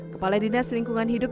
kepala dinas lingkungan hidup